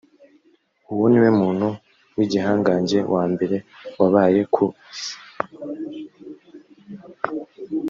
uwo ni we muntu w’igihangange wa mbere wabaye ku isi